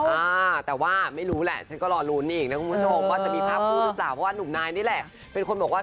อ้าวแต่ว่าไม่รู้แหละครับและชื่อพาผู้หรือเปล่า